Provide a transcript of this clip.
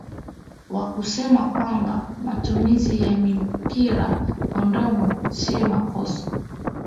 wa kusema kwamba matumizi ya mpira kondom sio makosa